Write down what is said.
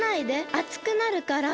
あつくなるから。